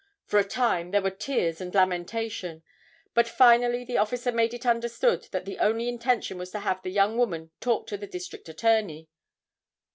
For a time there were tears and lamentation, but finally the officer made it understood that the only intention was to have the young woman talk to the District Attorney.